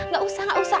gak usah gak usah